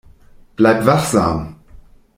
Bleib wachsam.